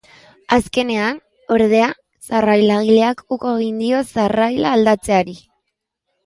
Azkenean, ordea, sarrailagileak uko egin dio sarraila aldatzeari.